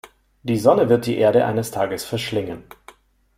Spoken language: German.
Die Sonne wird die Erde eines Tages verschlingen.